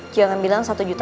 jangan bilang satu juta